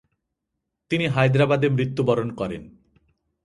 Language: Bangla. তিনি হায়দ্রাবাদে মৃত্যুবরণ করেন।